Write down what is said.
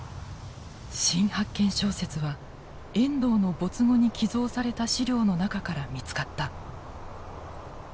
新発見小説は遠藤の没後に寄贈された資料の中から見つかった。